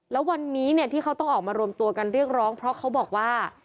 แล้ววันนี้เนี่ยที่เขาต้องออกมารวมตัวกันเรียกร้องเพราะเขาบอกว่า